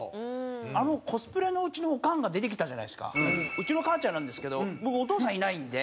うちの母ちゃんなんですけど僕お父さんいないんで。